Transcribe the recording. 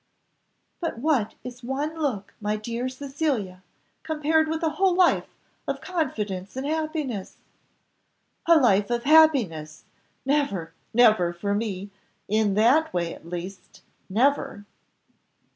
"But what is one look, my dear Cecilia, compared with a whole life of confidence and happiness?" "A life of happiness! never, never for me; in that way at least, never."